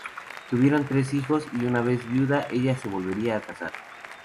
Tuvieron tres hijos y una vez viuda, ella se volvería a casar.